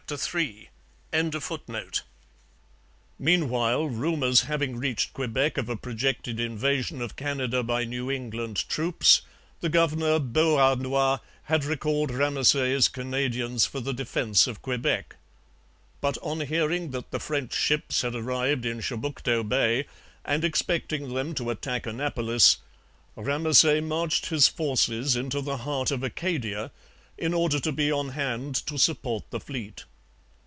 iii.] Meanwhile, rumours having reached Quebec of a projected invasion of Canada by New England troops, the governor Beauharnois had recalled Ramesay's Canadians for the defence of Quebec; but on hearing that the French ships had arrived in Chebucto Bay, and expecting them to attack Annapolis, Ramesay marched his forces into the heart of Acadia in order to be on hand to support the fleet.